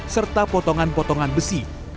serta potongan potongan besi